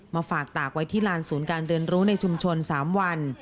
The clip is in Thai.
มาฝากตากไว้ที่ลานศูนย์การเรียนรู้ในชุมชน๓วัน